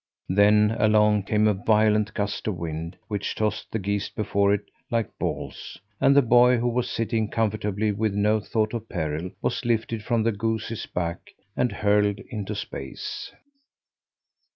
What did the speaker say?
Then along came a violent gust of wind, which tossed the geese before it, like balls, and the boy, who was sitting comfortably, with no thought of peril, was lifted from the goose's back and hurled into space.